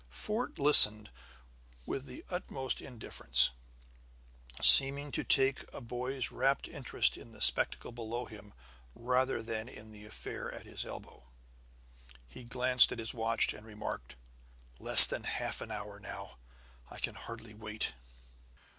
Fort listened with the utmost indifference, seeming to take a boy's rapt interest in the spectacle below him rather than in the affair at his elbow. He glanced at his watch and remarked: "Less than half an hour now. I can hardly wait!"